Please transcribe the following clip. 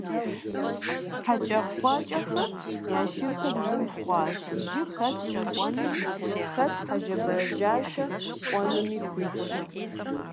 ХьэкӀэкхъуэкӀэхэм я шырхэр ин хъуащ, иджы хэт щэкӀуэнуми, хэт хьэжэбажащэ кӀуэнуми хуитщ.